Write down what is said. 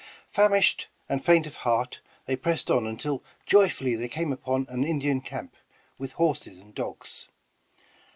Famished and faint of heart, they pressed on until joyfully they came upon an Indian camp, with horses and dogs.